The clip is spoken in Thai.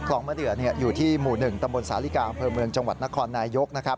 คลองมะเดือร์อยู่ที่หมู่๑ตำบลสาธาริกาอำเภอเมืองจังหวัดนครนายยก